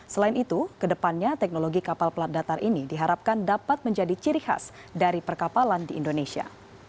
selain itu kedepannya teknologi kapal pelat datar ini diharapkan dapat menjadi ciri khas dari perkapalan di indonesia